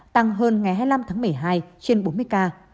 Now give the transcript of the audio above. tăng hơn ngày hai mươi năm tháng một mươi hai trên bốn mươi ca